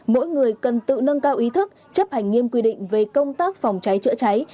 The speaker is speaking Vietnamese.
mỗi người cần tự nâng cao ý thức chấp hành nghiêm quy định về công tác phòng cháy chữa cháy